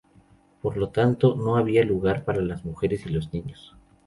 Por lo tanto, no había lugar para las mujeres y los niños.